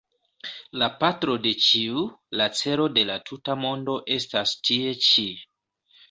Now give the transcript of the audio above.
La patro de ĉiu, la celo de la tuta mondo estas tie ĉi.